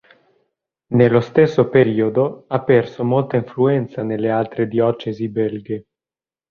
Nello stesso periodo ha perso molta influenza nelle altre diocesi belghe.